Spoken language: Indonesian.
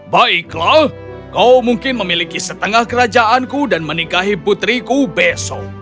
baiklah kau mungkin memiliki setengah kerajaanku dan menikahi putriku besok